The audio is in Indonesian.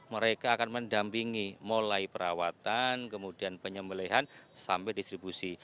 mereka akan mendampingi mulai perawatan kemudian penyembelihan sampai distribusi